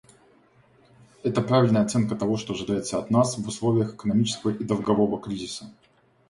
Это правильная оценка того, что ожидается от нас условиях экономического и долгового кризиса.